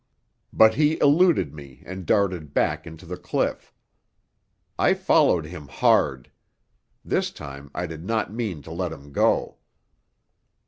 But he eluded me and darted back into the cliff. I followed him hard. This time I did not mean to let him go.